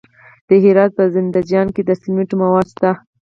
د هرات په زنده جان کې د سمنټو مواد شته.